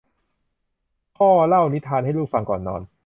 พ่อเล่านิทานให้ลูกฟังก่อนนอน